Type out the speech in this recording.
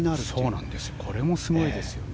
これもすごいですよね。